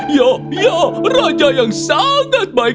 ya dia raja yang sangat baik